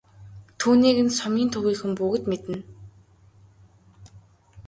Түүнийг нь сумын төвийнхөн бүгд мэднэ.